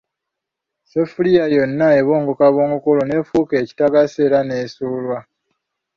Sseffuliya yonna ebongokabongoka, olwo n'efuuka ekitagasa era n'esuulwa!